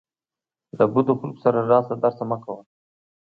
له بدو خلکو سره راشه درشه مه کوه